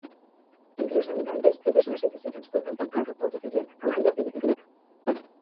Entre los habitantes hay personas que se transportan por carro, motocicleta, caballo y bicicleta.